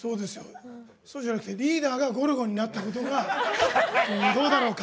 そうじゃなくてリーダーがゴルゴになったことがどうだろうか。